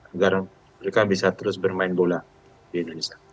agar mereka bisa terus bermain bola di indonesia